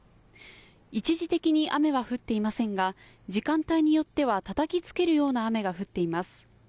一時的に雨は降っていませんが時間帯によってはたたきつけるような雨が降っています。